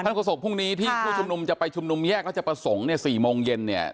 โฆษกพรุ่งนี้ที่ผู้ชุมนุมจะไปชุมนุมแยกราชประสงค์เนี่ย๔โมงเย็นเนี่ย